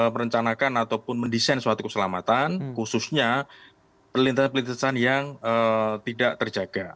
mereka akan ataupun mendesain suatu keselamatan khususnya perlintasan perlintasan yang tidak terjaga